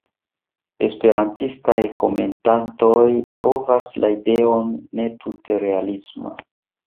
Esperantistaj komentantoj trovas la ideon ne tute realisma.